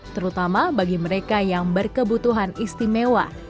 terutama bagi mereka yang berkebutuhan istimewa